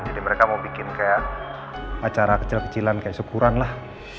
jadi mereka mau bikin kayak acara kecil kecilan kayak syukuran lah